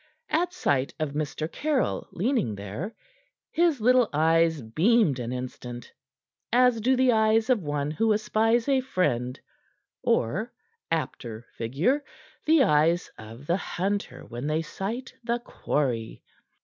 At sight of Mr. Caryll leaning there, his little eyes beamed an instant, as do the eyes of one who espies a friend, or apter figure the eyes of the hunter when they sight the quarry.